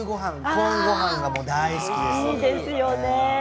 コーンごはんが大好きです。